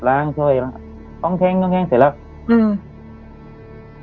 ล้างถ้วยอ้องแท้งอ้องแท้งเสร็จแล้วอืม